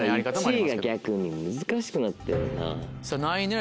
１位が逆に難しくなってんな。